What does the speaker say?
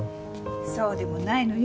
そうでもないのよ。